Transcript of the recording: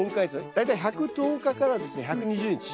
大体１１０日からですね１２０日。